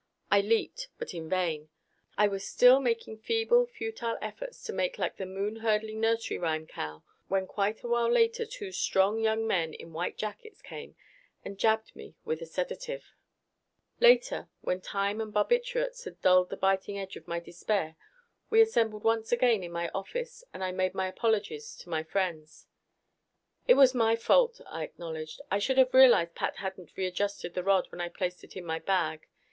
I leaped but in vain. I was still making feeble, futile efforts to make like the moon hurdling nursery rhyme cow when quite a while later two strong young men in white jackets came and jabbed me with a sedative ...Later, when time and barbiturates had dulled the biting edge of my despair, we assembled once again in my office and I made my apologies to my friends. "It was all my fault," I acknowledged. "I should have realized Pat hadn't readjusted the rod when I placed it in my bag.